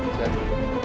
kamu harus jerat fit